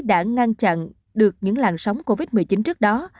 đã ngăn chặn được những làn sóng covid một mươi chín trước đó